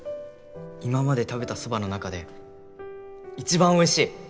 今まで食べたそばの中で一番おいしい！